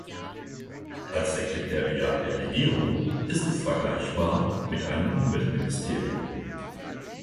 Als Sekretariat der Regierung ist es vergleichbar mit einem Umweltministerium.